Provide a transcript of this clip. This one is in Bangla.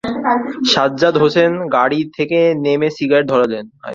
সাজ্জাদ হোসেন গাড়ি থেকে নেমে সিগারেট ধরালেন।